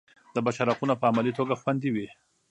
د بشر حقونه په عملي توګه خوندي وي.